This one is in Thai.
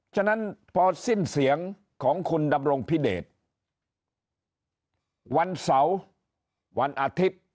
ฉะนั้นพอสิ้นเสียงของคุณดำรงพิเดชวันเสาร์วันอาทิตย์